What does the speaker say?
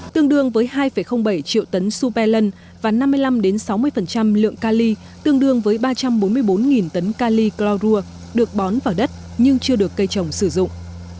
tương đương với hai bảy triệu tấn supe lân và năm mươi năm sáu mươi lượng ca ly tương đương với ba trăm bốn mươi bốn tấn ca ly chlorua được bón vào đất nhưng chưa được cây trồng sử dụng